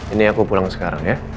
ini aku pulang sekarang ya